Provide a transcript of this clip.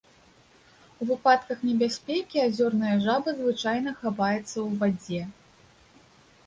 У выпадках небяспекі азёрная жаба звычайна хаваецца ў вадзе.